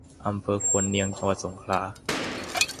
อำเภอควนเนียง จังหวัดสงขลา